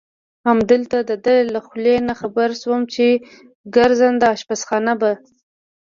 همالته د ده له خولې نه خبر شوم چې ګرځنده اشپزخانه به.